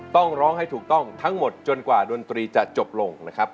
ต้องร้องให้ถูกต้องทั้งหมดจนกว่าดนตรีจะจบลงนะครับ